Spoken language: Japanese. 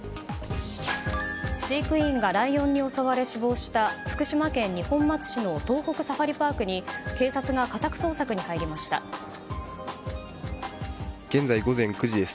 飼育員がライオンに襲われ死亡した福島県二本松市の東北サファリパークに現在、午前９時です。